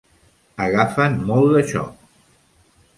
Agafa'n molt d'això.